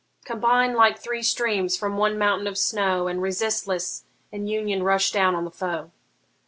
Combine like three streams from one mountain of snow, And resistless in union rush down on the foe!